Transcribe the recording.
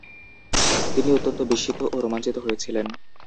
তিনি অত্যন্ত বিস্মিত ও রোমাঞ্চিত হয়েছিলেন।